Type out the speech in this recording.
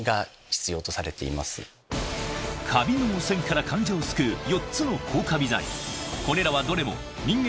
カビの汚染から患者を救う４つの抗カビ剤